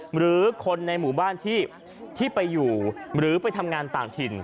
หรือคนในหมู่บ้านที่ไปอยู่หรือไปทำงานต่างถิ่น